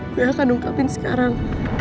gue akan ungkapin sekarang